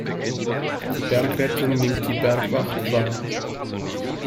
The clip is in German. Die Bergrettung nimmt die Bergwacht wahr.